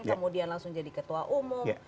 kemudian langsung jadi ketua umum